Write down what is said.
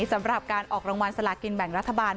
สำหรับการออกรางวัลสลากินแบ่งรัฐบาล